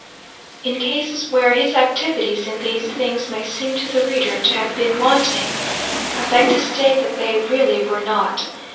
In cases where his activities in these things may seem to the reader to have been wanting, I beg to state that they really were not.